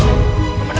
di video selanjutnya